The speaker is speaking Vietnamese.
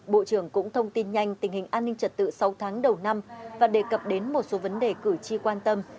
bộ trưởng cũng thông tin nhanh tình hình an ninh trật tự sáu tháng đầu năm và đề cập đến một số vấn đề cử tri quan tâm